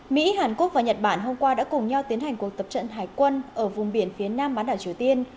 mỹ hàn quốc và nhật bản hôm qua đã cùng nhau tiến hành cuộc tập trận hải quân ở vùng biển phía nam bán đảo triều tiên